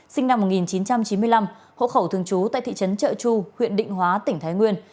sinh năm một nghìn chín trăm chín mươi năm hộ khẩu thường trú tại thị trấn trợ chu huyện định hóa tỉnh thái nguyên